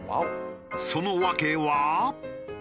その訳は。